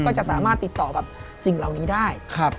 ก็จะสามารถติดต่อกับสิ่งเหล่านี้ได้